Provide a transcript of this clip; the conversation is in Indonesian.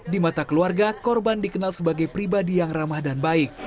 di mata keluarga korban dikenal sebagai pribadi yang ramah dan baik